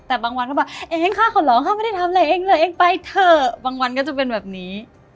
แต่บางวันเขาบอกเองข้าเขาเหรอข้าไม่ได้ทำอะไรเองเลยเองไปเถอะบางวันก็จะเป็นแบบนี้